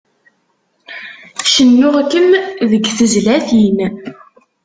Cennuɣ-kem deg tizlatin.